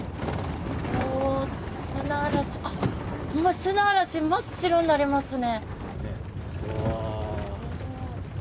砂嵐真っ白になりますね。